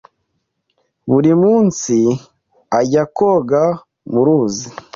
Buri munsi Ajya koga mu ruzi.